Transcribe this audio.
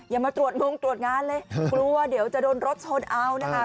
อย่ามาตรวจงงตรวจงานเลยกลัวเดี๋ยวจะโดนรถชนเอานะคะ